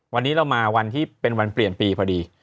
วันนี้เรามาวันที่เป็นวันเปลี่ยนปีพอดี